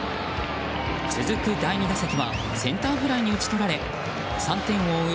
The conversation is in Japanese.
続く第２打席はセンターフライに打ち取られ３点を追う